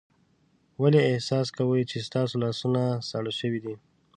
ولې احساس کوئ چې ستاسو لاسونه ساړه شوي دي؟